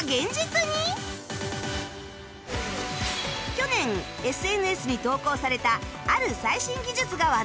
去年 ＳＮＳ に投稿されたある最新技術が話題に